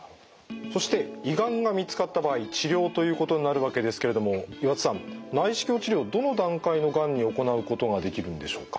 そして胃がんが見つかった場合治療ということになるわけですけれども岩田さん内視鏡治療どの段階のがんに行うことができるんでしょうか？